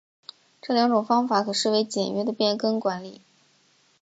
这两种方法可视为简约的变更管理。